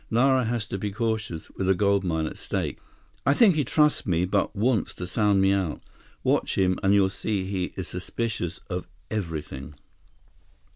Nara has to be cautious, with a gold mine at stake. I think he trusts me but wants to sound me out. Watch him, and you'll see he is suspicious of everything."